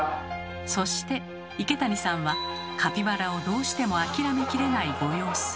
そして池谷さんはカピバラをどうしても諦めきれないご様子。